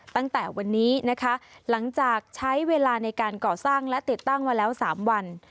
ตั้งแต่วันนี้นะคะหลังจากใช้เวลาในการก่อสร้างและติดตั้งมาแล้ว๓วัน